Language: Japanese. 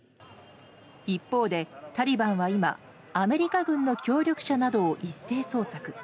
一方でタリバンは今アメリカ軍の協力者などを一斉捜索。